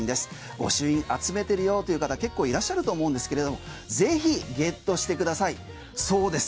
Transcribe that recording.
御朱印集めてるよという方結構いらっしゃると思うんですけれどもぜひゲットしてくださいそうです。